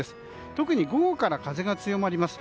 特に午後から風が強まります。